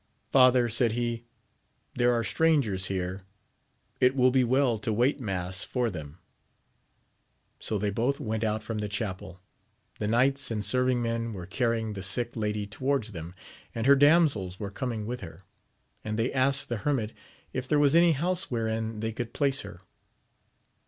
Father, said he, there are strangers here: it will be weU to wait mass i aOO AMADIS OF GAUL. them. So they both went out from the chapeL The knights and serving men were carrying the sick lady towards them, and her damsels were coming with h«, and they asked the hermit if there was any house wherein they could place her.